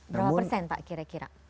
berapa persen pak kira kira